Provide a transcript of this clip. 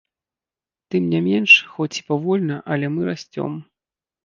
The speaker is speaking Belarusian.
Тым не менш, хоць і павольна, але мы расцём.